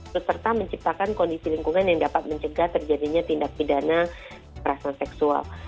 serta menciptakan kondisi lingkungan yang dapat mencegah terjadinya tindak pidana kerasan seksual